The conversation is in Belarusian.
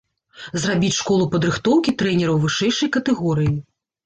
Зрабіць школу падрыхтоўкі трэнераў вышэйшай катэгорыі.